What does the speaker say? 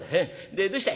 でどうした？